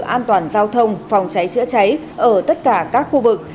an toàn giao thông phòng cháy chữa cháy ở tất cả các khu vực